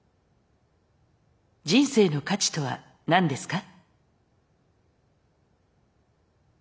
人生の価値とは何ですか？